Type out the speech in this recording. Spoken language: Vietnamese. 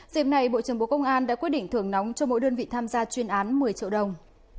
dịp này bộ trưởng bộ công an đã quyết định thưởng nóng cho mỗi đơn vị tham gia chuyên án một mươi triệu đồng